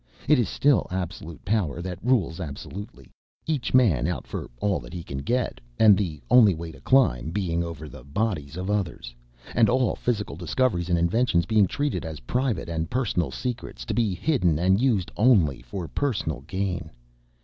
It is still absolute power that rules absolutely, each man out for all that he can get and the only way to climb being over the bodies of others, and all physical discoveries and inventions being treated as private and personal secrets to be hidden and used only for personal gain.